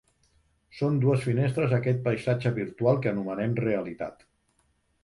Són dues finestres a aquest paisatge virtual que anomenem realitat.